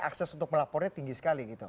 akses untuk melapornya tinggi sekali gitu